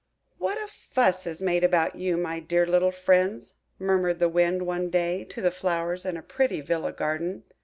"WHAT a fuss is made about you, my dear little friends!" murmured the Wind, one day, to the flowers in a pretty villa garden.